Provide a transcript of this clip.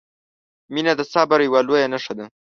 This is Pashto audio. • مینه د صبر یوه لویه نښه ده.